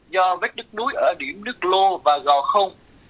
do vết nước núi ở điểm nước lô và gò không